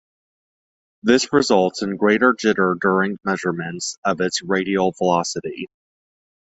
This results in greater jitter during measurements of its radial velocity.